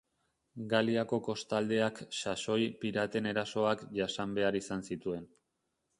Galiako kostaldeak saxoi piraten erasoak jasan behar izan zituen.